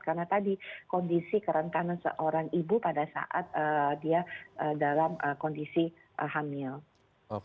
karena tadi kondisi kerentanan seorang ibu pada saat dia dalam kondisi hamil